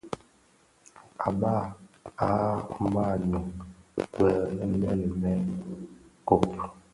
À bab a màa nyɔng bi mëli mɛ kob.